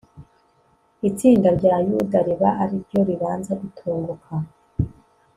itsinda rya yuda riba ari ryo ribanza gutunguka